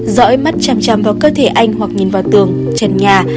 năm rõi mắt chằm chằm vào cơ thể anh hoặc nhìn vào tường trần nhà